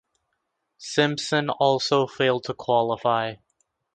Simpson also failed to qualify.